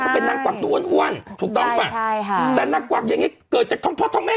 เป็นนักปวักหัวอ้อนอ้าวองถูกต้องปะเลยใช่ค่ะแต่นักปวักอย่างเงี้ยเกิดจากท่องพ่อท่องแม่